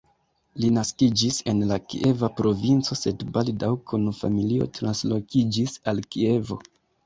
Li naskiĝis en la Kieva provinco, sed baldaŭ kun familio translokiĝis al Kievo.